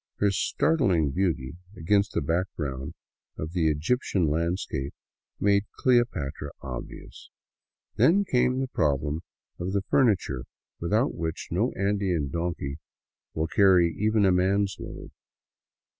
Her startling beauty against the background of the Egyptian landscape made " Cleopatra " obvious. Then came the problem of the furniture without which 234 THE WILDS OF NORTHERN PERU no Andean donkey will carry even a man's load.